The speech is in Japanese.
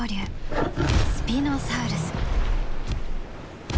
スピノサウルス。